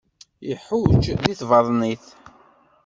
Iḥuǧǧ di tbaḍnit.